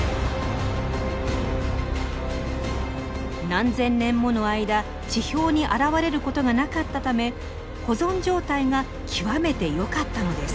何千年もの間地表に現れることがなかったため保存状態が極めてよかったのです。